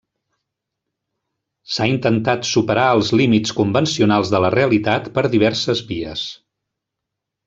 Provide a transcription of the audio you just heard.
S'ha intentat superar els límits convencionals de la realitat per diverses vies.